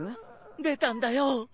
出たんだよ。